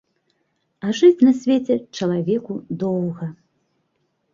А жыць на свеце чалавеку доўга.